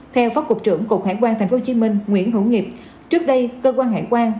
theo phó cục trưởng cục hải quan tp hcm nguyễn hữu nghiệp trước đây cơ quan hải quan